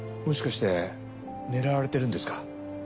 もしかして狙われてるんですか？